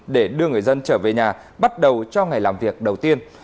để đưa người dân trở về nhà bắt đầu cho ngày làm việc đầu tiên